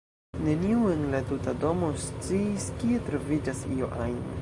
Neniu en la tuta domo sciis, kie troviĝas io ajn.